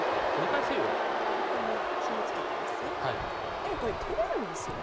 でもこれ取れるんですよね。